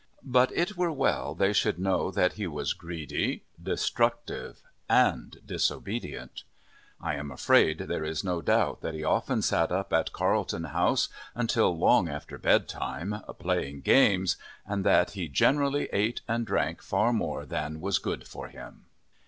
But it were well they should know that he was greedy, destructive, and disobedient. I am afraid there is no doubt that he often sat up at Carlton House until long after bedtime, playing at games, and that he generally ate and drank far more than was good for him.